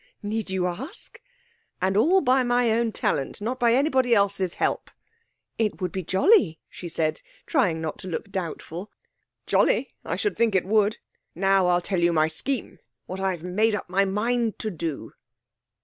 'Need you ask?' 'And all by my own talent not by anybody else's help.' 'It would be jolly,' she said, trying not to look doubtful. 'Jolly! I should think it would. Now I'll tell you my scheme what I've made up my mind to do.'